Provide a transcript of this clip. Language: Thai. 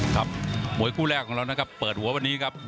ครับมวยคู่แรกของเรานะครับเปิดหัววันนี้ครับ